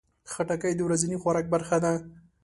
خټکی د ورځني خوراک برخه ده.